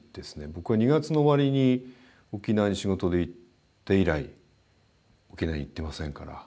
僕は２月の終わりに沖縄に仕事で行って以来沖縄に行ってませんから。